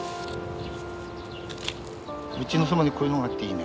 うちのそばにこういうものがあっていいね。